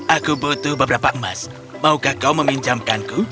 aku butuh beberapa emas maukah kau meminjamkanku